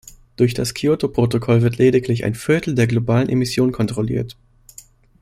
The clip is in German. Durch das Kyoto-Protokoll wird lediglich ein Viertel der globalen Emissionen kontrolliert.